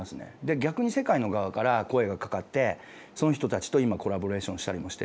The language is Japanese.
逆に世界の側から声がかかってその人たちと今コラボレーションしたりもしてるので。